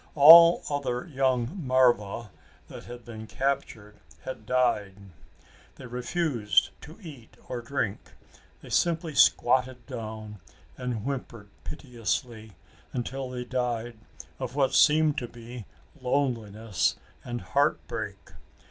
All other young marva that had been captured had died. They refused to eat or drink. They simply squatted down and whimpered piteously until they died of what seemed to be loneliness and heartbreak.